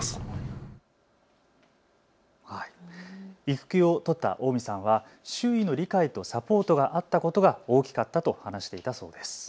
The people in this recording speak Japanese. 育休を取った近江さんは周囲の理解とサポートがあったことが大きかったと話していたそうです。